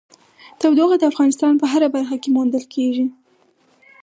تودوخه د افغانستان په هره برخه کې موندل کېږي.